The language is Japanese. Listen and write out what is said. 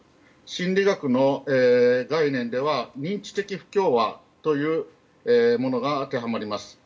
心理学の概念では認知的不協和というものが当てはまります。